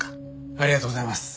ありがとうございます。